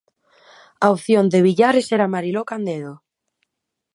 A opción de Villares era Mariló Candedo.